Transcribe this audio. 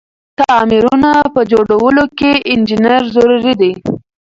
تعميرونه په جوړولو کی انجنیر ضروري ده.